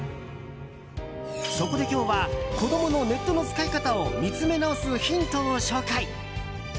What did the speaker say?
そこで今日は子供のネットの使い方を見つめ直すヒントを紹介。